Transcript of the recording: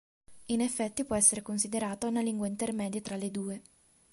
In effetti può essere considerata una lingua intermedia tra le due.